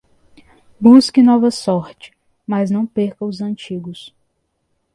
Busque nova sorte, mas não perca os antigos.